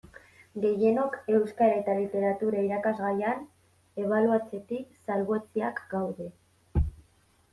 Gehienok Euskara eta Literatura irakasgaian ebaluatzetik salbuetsiak gaude.